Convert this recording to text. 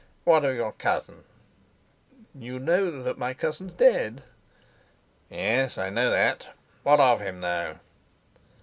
What of your cousin?" "You know that my cousin's dead." "Yes, I know that. What of him, though?"